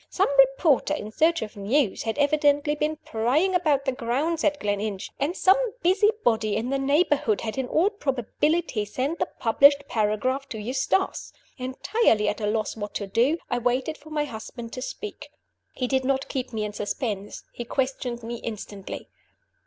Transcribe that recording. Some reporter in search of news had evidently been prying about the grounds at Gleninch, and some busy body in the neighborhood had in all probability sent the published paragraph to Eustace. Entirely at a loss what to do, I waited for my husband to speak. He did not keep me in suspense he questioned me instantly.